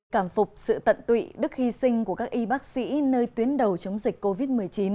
cảm phục sự tận tụy đức hy sinh của các y bác sĩ nơi tuyến đầu chống dịch covid một mươi chín